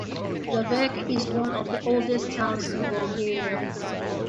Lovech is one of the oldest towns in Bulgaria.